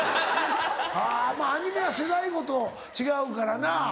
アニメは世代ごと違うからな。